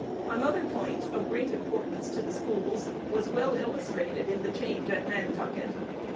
An other point, of great importance to the schools, was well illustrated in the change at Nantucket.